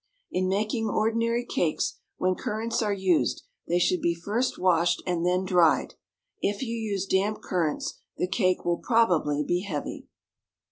In making ordinary cakes, when currants are used, they should be first washed and then dried; if you use damp currants the cake will probably be heavy.